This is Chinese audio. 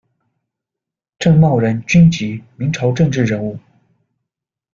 郑茂人，军籍，明朝政治人物。